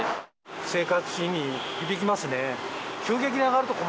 生活に響きますね。